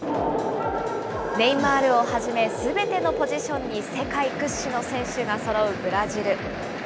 ネイマールをはじめ、すべてのポジションに世界屈指の選手がそろうブラジル。